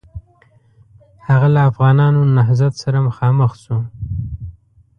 هغه له افغانانو نهضت سره مخامخ شو.